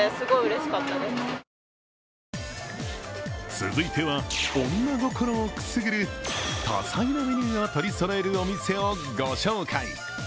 続いては女心をくすぐる多彩なメニューを取りそろえるお店をご紹介。